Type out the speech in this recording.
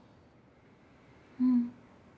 うん。